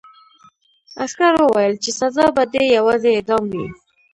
عسکر وویل چې سزا به دې یوازې اعدام وي